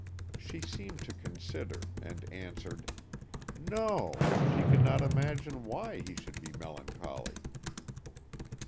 She seemed to consider, and answered: "No, she could not imagine why he should be melancholy."